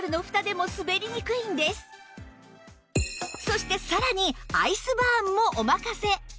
そしてさらにアイスバーンもおまかせ